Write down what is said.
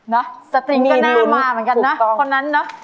นะสตริมก็หน้ามาเหมือนกันนะคนนั้นนะถูกต้อง